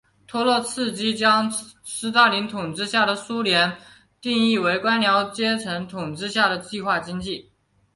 托洛茨基将斯大林统治下的苏联定义为由官僚阶层统治的计划经济。